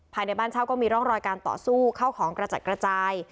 ภายในบ้านเช่าก็มีร่องรอยการต่อสู้เข้าของกระจัดกระจาย